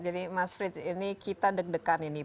jadi mas fritz ini kita deg degan ini